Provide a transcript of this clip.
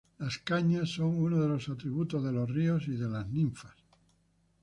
Las cañas son uno de los atributos de los ríos y de las ninfas.